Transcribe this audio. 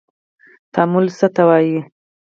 تعامل څه ته وايي.